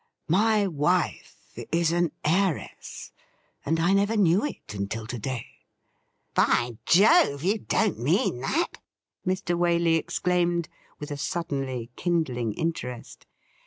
My wife is an heiress, and I never knew it until to day.' ' By Jove ! you don't mean that .?' Mr. Waley exclaimed, with a suddenly kindling interest.